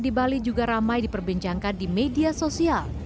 di bali juga ramai diperbincangkan di media sosial